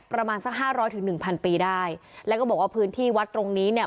ประมาณสักห้าร้อยถึงหนึ่งพันปีได้แล้วก็บอกว่าพื้นที่วัดตรงนี้เนี่ย